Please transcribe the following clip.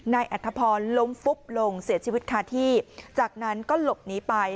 อัธพรล้มฟุบลงเสียชีวิตคาที่จากนั้นก็หลบหนีไป